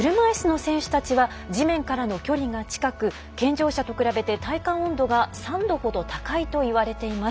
中でも車いすの選手たちは地面からの距離が近く健常者と比べて体感温度が３度ほど高いといわれています。